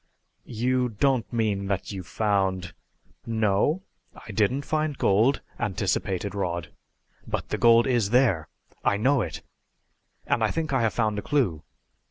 "You don't mean that you found " "No, I didn't find gold," anticipated Rod. "But the gold is there! I know it. And I think I have found a clue.